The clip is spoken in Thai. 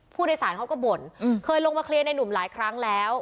ผู้โดยสารเขาก็บ่นเคยลงมาเคลียร์ในหนุ่มหลายครั้งแล้ว